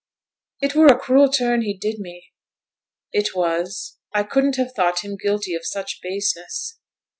It were a cruel turn he did me!' 'It was. I couldn't have thought him guilty of such baseness.'